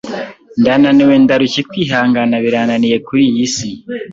Ndananiwe ndarushye kwihangana birananiye kuri iyi isi